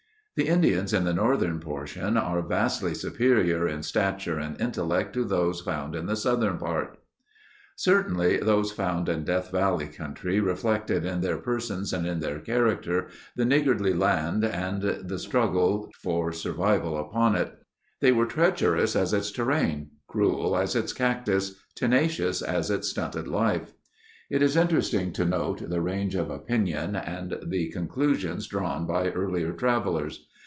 "The Indians in the northern portion ... are vastly superior in stature and intellect to those found in the southern part." (Hubbard, Golden Era, 1856.) Certainly those found in Death Valley country reflected in their persons and in their character the niggardly land and the struggle for survival upon it. They were treacherous as its terrain. Cruel as its cactus. Tenacious as its stunted life. It is interesting to note the range of opinion and the conclusions drawn by earlier travelers.